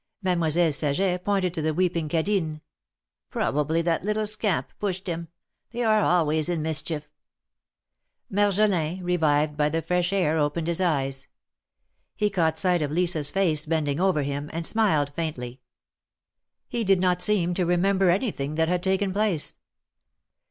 Mademoiselle Saget pointed to the weeping Cadine. '^Probably that little scamp pushed him. They are always in mischief." Marjolin, revived by the fresh air, opened his eyes. He caught sight of Lisa's face bending over him, and smiled faintly. He did not seem to remember anything that had taken place.